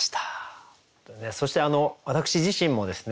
そして私自身もですね